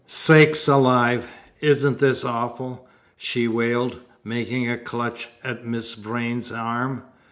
"Sakes alive! isn't this awful?" she wailed, making a clutch at Miss Vrain's arm.